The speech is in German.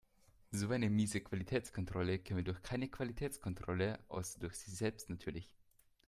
So eine miese Qualitätskontrolle käme durch keine Qualitätskontrolle, außer durch sich selbst natürlich.